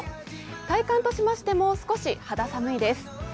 体感としましても、少し肌寒いです